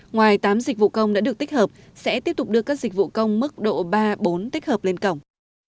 ngoài tám dịch vụ công đã được tích hợp sẽ tiếp tục đưa các dịch vụ công mức độ ba bốn tích hợp lên cổng